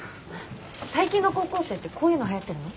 最近の高校生ってこういうのはやってるの？